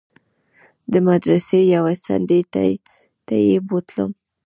د مدرسې يوې څنډې ته يې بوتلم.